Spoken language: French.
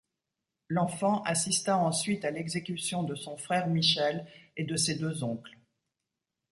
L'enfant assista ensuite à l'exécution de son frère Michel et de ses deux oncles.